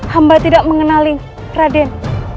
hamba tidak mengenali raden